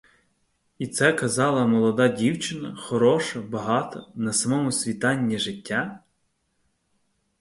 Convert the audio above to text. І це казала молода дівчина, хороша, багата, на самому світанні життя?